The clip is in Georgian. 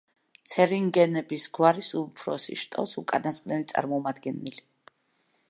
ცერინგენების გვარის უფროსი შტოს უკანასკნელი წარმომადგენელი.